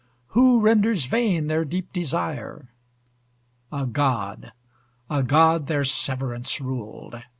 Who renders vain their deep desire? A God, a God their severance ruled!